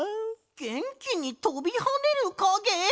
げんきにとびはねるかげ？